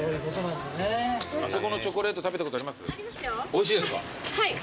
おいしいですか？